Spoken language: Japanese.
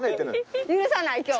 許さない今日。